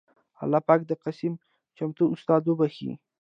اللهٔ پاک د قسيم چمتو استاد وبښي